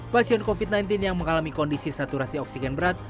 pasien covid sembilan belas yang mengalami kondisi saturasi oksigen berat